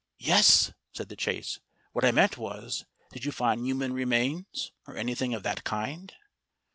"Yes," said The Chase; "what I meant was did you find human remains, or anything of that kind?"